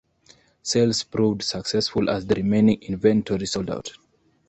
Sales proved successful as the remaining inventory sold out.